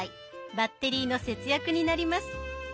バッテリーの節約になります。